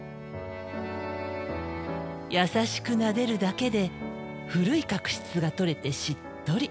優しくなでるだけで古い角質が取れてしっとり。